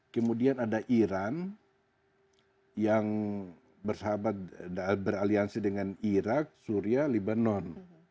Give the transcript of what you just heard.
kemudian ada iran yang bersahabat beraliansi dengan irak syria libanon